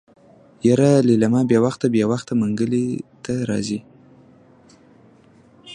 يره ليلما بې وخته بې وخته منګلي ته راځي.